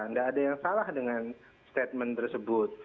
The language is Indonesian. nggak ada yang salah dengan statement tersebut